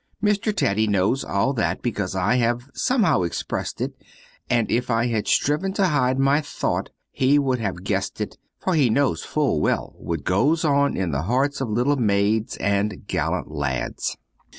Mr. Teddy knows all that, because I have somehow expressed it, and if I had striven to hide my thought he would have guessed it, for he knows full well what goes on in the hearts of little maids and gallant lads.